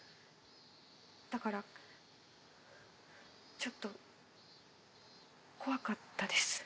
だからちょっと怖かったです。